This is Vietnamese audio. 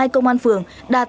một mươi hai công an phường đạt